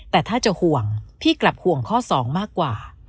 แต่ถ้าจะห่วงพี่กลับห่วงข้อ๒มากกว่า